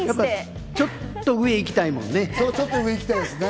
ちょっと上、行きたいもんね。